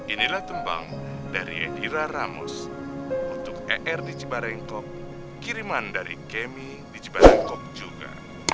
inilah tembang dari edira ramus untuk er di cibarengkok kiriman dari kemi di cibating kok juga